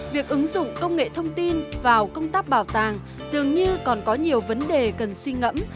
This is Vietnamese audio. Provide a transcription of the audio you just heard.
việc ứng dụng công nghệ thông tin vào công tác bảo tàng dường như còn có nhiều vấn đề cần suy ngẫm